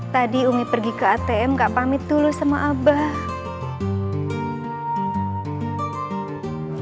tadi umi pergi ke atm gak pamit dulu sama abah